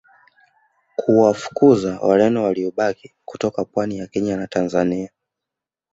kuwafukuza Wareno waliobaki kutoka pwani ya Kenya na Tanzania